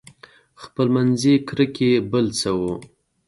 خپلمنځي کرکې بل څه وو.